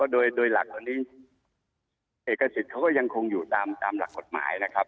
โดยหลักวันนี้เอกสิทธิ์เขาก็ยังคงอยู่ตามหลักกฎหมายนะครับ